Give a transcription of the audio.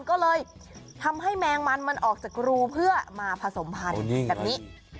ก็เลยทำให้แมงมันมันออกจากรูเพื่อมาผสมพันธุ์แบบนี้